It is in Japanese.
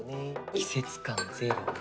季節感ゼロ。